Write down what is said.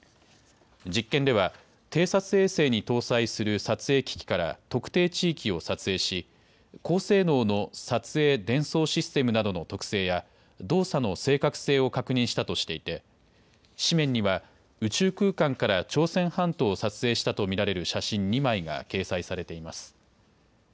実験では偵察衛星に搭載する撮影機器から特定地域を撮影し高性能の撮影・伝送システムなどの特性や動作の正確性を確認したとしていて紙面には宇宙空間から朝鮮半島を撮影したと見られる写真２枚が掲載されています。